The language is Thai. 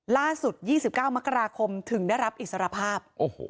๒๙มกราคมถึงได้รับอิสรภาพ